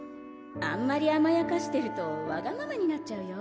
あんまりあまやかしてるとわがままになっ